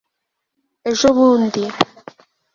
ejo bundi